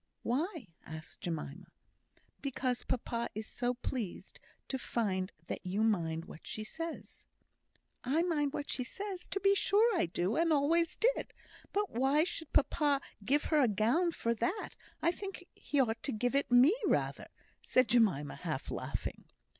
"Why?" asked Jemima. "Because papa is so pleased to find that you mind what she says." "I mind what she says! To be sure I do, and always did. But why should papa give her a gown for that? I think he ought to give it me rather," said Jemima, half laughing.